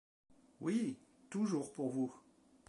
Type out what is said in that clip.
Oui, toujours pour vous.